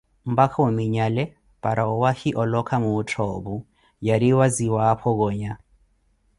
mpakha ominyala para owahi olokha muuttho opu, yariwa ziwaapho conya.